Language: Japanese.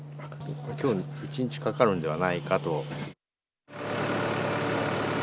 きょう一日かかるんではないかと。